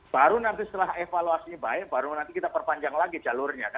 baru nanti setelah evaluasinya baik baru nanti kita perpanjang lagi jalurnya